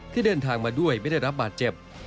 ที่เดินทางมาด้วยไม่ได้รับบาดเจ็บ